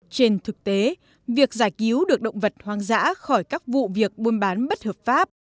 trên thực tế việc giải cứu được động vật hoang dã khỏi các vụ việc buôn bán bất hợp pháp